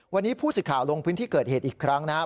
วันนี้ผู้สิทธิ์ข่าวลงพื้นที่เกิดเหตุอีกครั้งนะครับ